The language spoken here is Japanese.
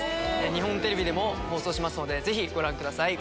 日本テレビでも放送しますのでぜひご覧ください。